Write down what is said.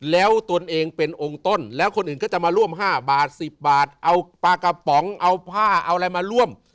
แล้วตนเองเป็นองค์ต้นแล้วคนอื่นก็จะมาร่วม๕บาท๑๐บาทเอาปลากระป๋องเอาผ้าเอาอะไรมาร่วม